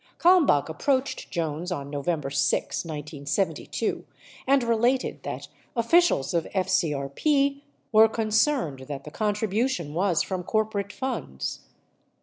Kalmbach approached Jones on November 6, 1972, and related that officials of FCRP were concerned that the contribution was from corporate funds.